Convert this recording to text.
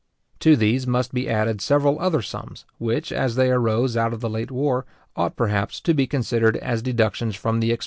To these must be added several other sums, which, as they arose out of the late war, ought perhaps to be considered as deductions from the expenses of it.